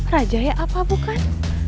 rajaya apa bukan